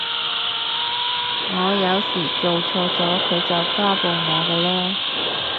我有時做錯咗佢就家暴我㗎喇